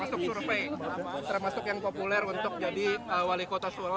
masuk survei termasuk yang populer untuk jadi wali kota solo dua ribu dua puluh